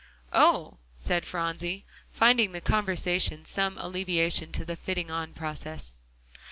"Oh!" said Phronsie, finding the conversation some alleviation to the fitting on process.